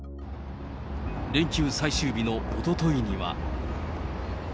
連休最終日のおとといには。